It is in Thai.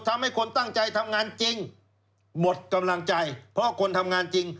ทำให้คนตั้งใจทำงานจริงหมดกำลังใจเพราะคนทำงานจริง